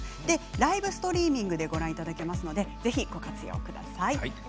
ライブストリーミングでご覧いただけますのでぜひご活用ください。